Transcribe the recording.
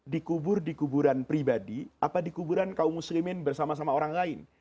dikubur di kuburan pribadi apa di kuburan kaum muslimin bersama sama orang lain